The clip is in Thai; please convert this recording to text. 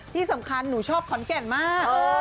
ที่สำคัญหนูชอบขอนแก่นมาก